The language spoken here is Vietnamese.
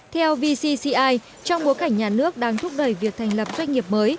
theo vcci trong bối cảnh nhà nước đang thúc đẩy việc thành lập doanh nghiệp mới